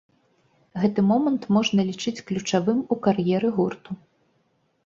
Гэты момант можна лічыць ключавым у кар'еры гурту.